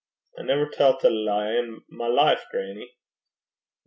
'I never tellt a lee i' my life, grannie.' 'Na.